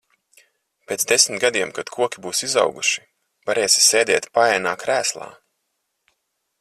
Pēc desmit gadiem kad koki būs izauguši, varēsi sēdēt paēnā, krēslā.